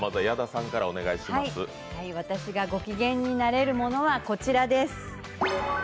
私がごきげんになれるものはこちらです。